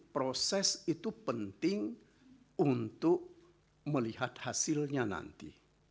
proses itu penting untuk melihat hasilnya nanti